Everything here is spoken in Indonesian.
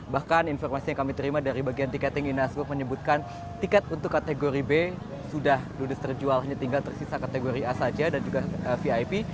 bahkan informasi yang kami terima dari bagian tiketing inasgok menyebutkan tiket untuk kategori b sudah lulus terjual hanya tinggal tersisa kategori a saja dan juga vip